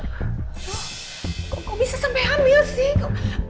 noh kok bisa sampai hamil sih